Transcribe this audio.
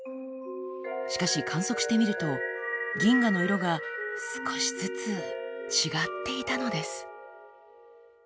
しかし観測してみると銀河の色が少しずつ違っていたのです。